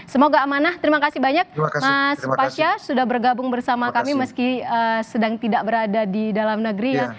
semoga amanah terima kasih banyak mas pasya sudah bergabung bersama kami meski sedang tidak berada di dalam negeri ya